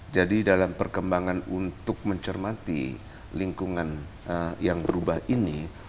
jadi dalam perkembangan untuk mencermati lingkungan yang berubah ini